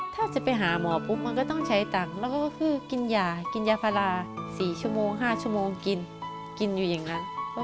ถ้าจะไปหาหมอปุ๊บก็ต้องใช้ตังคร์แล้วก็กินยาแพลลา๔๕ชั่วโมงกินอยู่อย่างนั้น